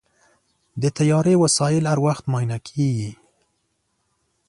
د طیارې وسایل هر وخت معاینه کېږي.